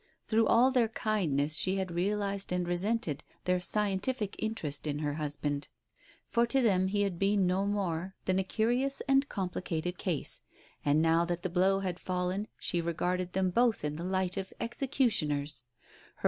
Through all their kindness she had realized and resented their scientific interest in her husband, for to them he had been no more than a curious and compli Digitized by Google THE PRAYER 97 >cated case; and now that the blow had fallen, she regarded them Both in the light of executioners.